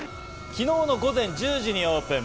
昨日の午前１０時にオープン。